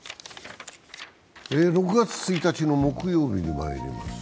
６月１日の木曜日にまいります。